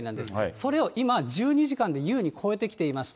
それを今、１２時間で優に超えてきていまして。